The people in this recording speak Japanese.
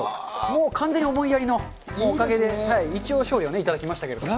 もう完全に思いやりのおかげで、一応、勝利をいただきましたけれども。